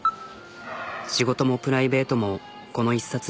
仕事もプライベートもこの一冊に。